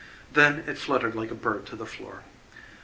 Then it fluttered like a bird to the floor.